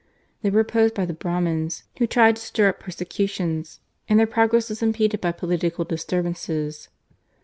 They were opposed by the Brahmins, who tried to stir up persecutions, and their progress was impeded by political disturbances.